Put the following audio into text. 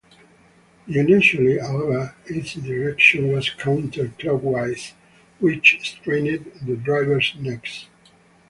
Unusually, however, its direction was counter-clockwise, which strained the drivers' necks.